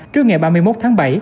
trước ngày ba mươi một tháng bảy